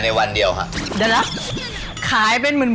ก็วันเดียวค่ะ